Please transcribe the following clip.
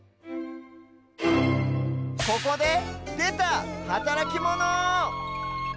ここででたはたらきモノ！